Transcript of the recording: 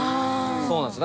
そうなんです。